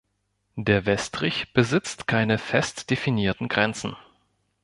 Der Westrich besitzt keine fest definierten Grenzen.